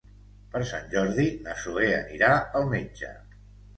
Per Sant Jordi na Zoè anirà al metge.